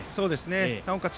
なおかつ